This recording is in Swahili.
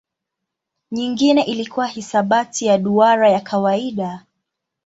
Nyingine ilikuwa hisabati ya duara ya kawaida.